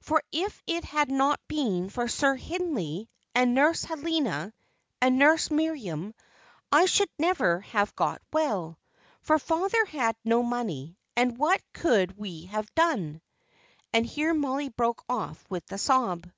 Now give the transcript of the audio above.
For if it had not been for Sir Hindley, and Nurse Helena, and Nurse Miriam I should never have got well for father had no money, and what could we have done?" and here Mollie broke off with a sob.